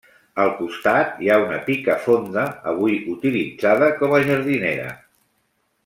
Al costat hi ha una pica fonda, avui utilitzada com a jardinera.